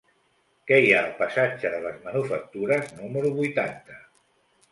Què hi ha al passatge de les Manufactures número vuitanta?